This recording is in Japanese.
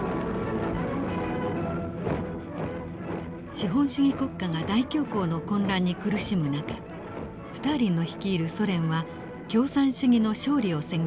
資本主義国家が大恐慌の混乱に苦しむ中スターリンの率いるソ連は共産主義の勝利を宣言。